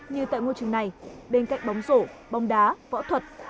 như tại ngôi trường này bên cạnh bóng rổ bóng đá võ thuật